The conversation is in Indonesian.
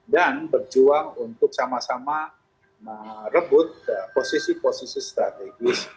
dan berjuang untuk sama sama merebut posisi posisi strategi